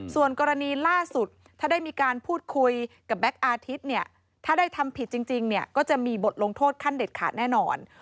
ส่วนกรณีล่าสุดถ้าได้มีการพูดคุยกับแก๊กอาทิตย์เนี่ยถ้าได้ทำผิดจริงเนี่ยก็จะมีบทลงโทษขั้นเด็ดขาดแน่นอน